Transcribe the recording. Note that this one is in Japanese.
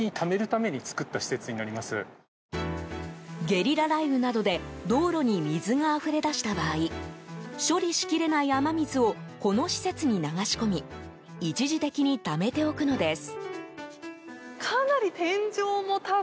ゲリラ雷雨などで道路に水があふれ出した場合処理しきれない雨水をこの施設に流し込み一時的にためておくのです。